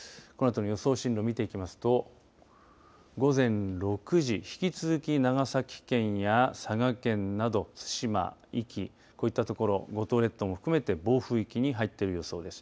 このあとの予想進路見ていきますと午前６時、引き続き長崎県や佐賀県など対馬壱岐、こういったところ五島列島も含めて暴風域に入っている予想です。